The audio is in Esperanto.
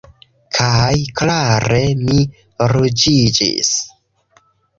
Kaj klare mi ruĝiĝis.